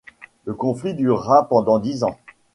Le conflit dura pendant dix ans.